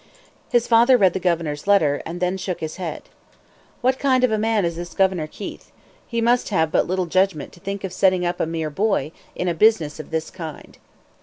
His father read the governor's letter, and then shook his head. "What kind of a man is this Governor Keith?" he asked. "He must have but little judgment to think of setting up a mere boy in business of this kind."